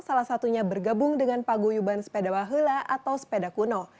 salah satunya bergabung dengan paguyuban sepeda wahela atau sepeda kuno